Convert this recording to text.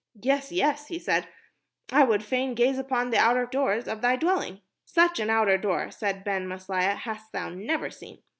"Yes, yes," he said, "I would fain gaze upon the outer door of thy dwelling." "Such an outer door," said Ben Maslia, "hast thou never seen.